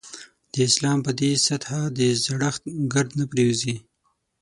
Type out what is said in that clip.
د اسلام پر دې سطح د زړښت ګرد نه پرېوځي.